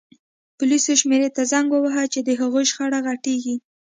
پولیسو شمېرې ته زنګ ووهه چې د هغوی شخړه غټیږي